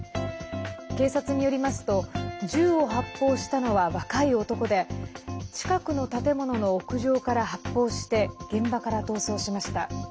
警察によりますと銃を発砲したのは若い男で近くの建物の屋上から発砲して現場から逃走しました。